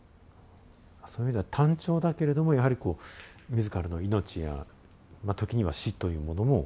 そういう意味では単調だけれどもやはりこう自らの命や時には死というものも。